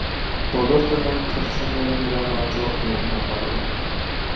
Բոլոր տնային թռչունները նրան անճոռնի են համարում։